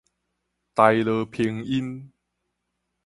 臺羅拼音